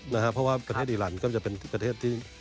เพราะว่าประเทศอีรันก็จะเป็นประเทศที่